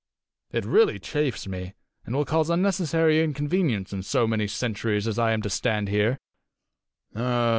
It really chafes me, and will cause unnecessary inconvenience in so many centuries as I am to stand here."